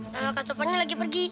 sama kak topannya lagi pergi